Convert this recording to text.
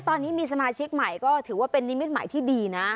ตอนนี้มีสมาชิกใหม่ก็ถือว่าเป็นนิมิตหมายที่ดีนะ